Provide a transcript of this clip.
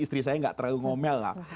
istri saya nggak terlalu ngomel lah